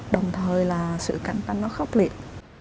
đồng thời là sự cạnh tranh nó khốc liệt